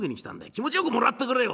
気持ちよくもらってくれよ」。